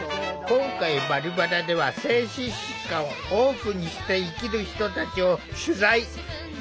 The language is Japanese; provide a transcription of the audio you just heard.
今回「バリバラ」では精神疾患をオープンにして生きる人たちを取材。